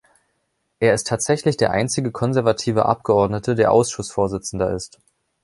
Er ist tatsächlich der einzige konservative Abgeordnete, der Ausschussvorsitzender ist.